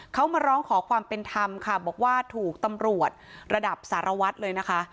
เขามาร้องขอความเป็นธรรมค่ะบอกว่าถูกตำรวจระดับสารวัตรเลยนะคะ